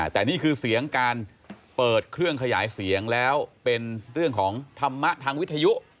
แต่นี่คือเสียงการเปิดเครื่องขยายเสียงแล้วเป็นเรื่องของธรรมะทางวิทยุ